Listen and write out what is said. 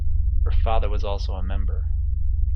Her father was also a member.